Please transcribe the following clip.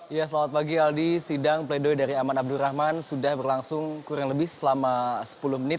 ya selamat pagi aldi sidang pledoi dari aman abdurrahman sudah berlangsung kurang lebih selama sepuluh menit